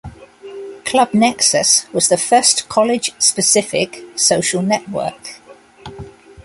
Club Nexus was the first college-specific social network.